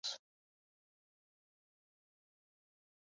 It also reorganized the existing national roads.